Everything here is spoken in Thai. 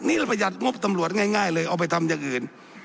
นี่เราประหยัดงบตำรวจง่ายเลยเอาไปทำอย่างอื่น